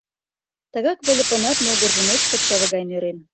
Тыгак Выльыпынат могыржо ночко чыве гай нӧрен.